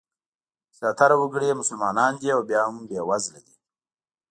زیاتره وګړي یې مسلمانان دي او بیا هم بېوزله دي.